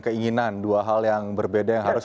keinginan dua hal yang berbeda yang harus